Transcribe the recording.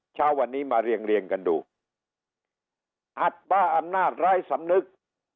เช้าวันนี้มาเรียงเรียงกันดูอัดบ้าอำนาจร้ายสำนึก